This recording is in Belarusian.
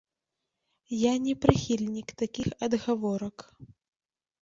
Я не прыхільнік такіх адгаворак.